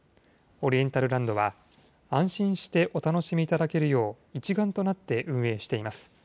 オリエンタルランドは、安心してお楽しみいただけるよう、一丸となって運営しています。